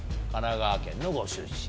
神奈川県のご出身。